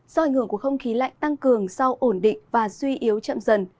do ảnh hưởng của không khí lạnh tăng cường sau ổn định và suy yếu chậm dần